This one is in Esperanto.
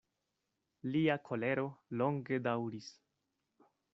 Lia kolero longe daŭris.